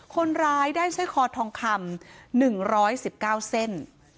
คนร้ายได้ใช้คอร์ดทองคำหนึ่งร้อยสิบเก้าเส้น